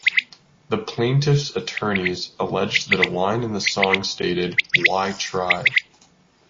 The plaintiffs's attorneys alleged that a line in the song stated, Why try?